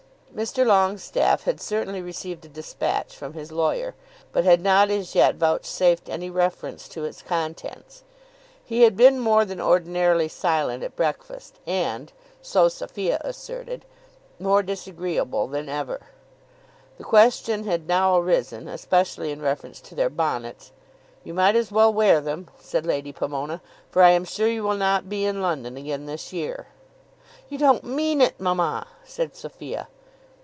Mr. Longestaffe had certainly received a dispatch from his lawyer, but had not as yet vouchsafed any reference to its contents. He had been more than ordinarily silent at breakfast, and, so Sophia asserted, more disagreeable than ever. The question had now arisen especially in reference to their bonnets. "You might as well wear them," said Lady Pomona, "for I am sure you will not be in London again this year." "You don't mean it, mamma," said Sophia.